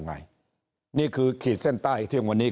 ก็มาเมืองไทยไปประเทศเพื่อนบ้านใกล้เรา